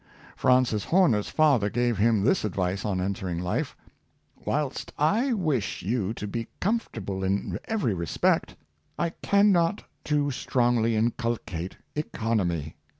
Francis Horner's father gave him this advice on entering life: "Whilst I wish you to be comfort able in every respect, I can not too strongly inculcate economy.